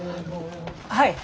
はい！